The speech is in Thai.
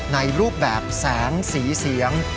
ในรูปแบบแสงสีเสียง